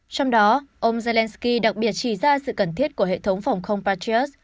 trong đó ông zelensky đặc biệt chỉ ra sự cần thiết của hệ thống phòng không patriot